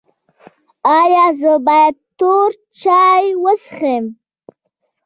ایا زه باید تور چای وڅښم؟